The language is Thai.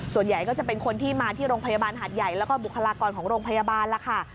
ส่วนใหญ่ก็จะเป็นคนที่มาที่โรงพยาบาลหาดใหญ่แล้วก็บุคลากรของโรงพยาบาลล่ะค่ะ